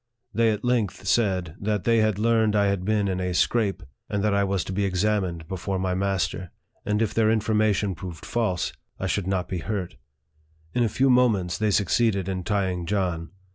They at length said, that they had learned I had been in a " scrape," and that I was to be examined before my master ; and if their informa tion proved false, I should not be hurt. In a few moments, they succeeded in tying John.